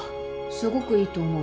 すごくいいと思う。